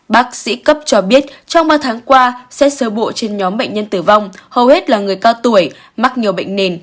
bác sĩ cấp cho biết trong ba tháng qua xét sơ bộ trên nhóm bệnh nhân tử vong hầu hết là người cao tuổi mắc nhiều bệnh nền